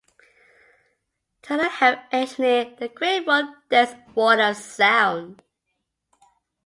Turner helped engineer the Grateful Dead's Wall of Sound.